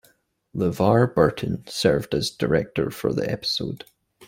LeVar Burton served as director for the episode.